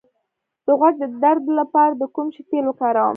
د غوږ د درد لپاره د کوم شي تېل وکاروم؟